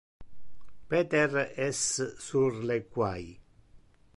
Peter es sur le quai.